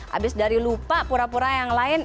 habis dari lupa pura pura yang lain